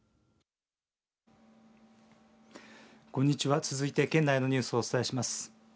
こんにちは、続いて県内のニュースをお伝えします。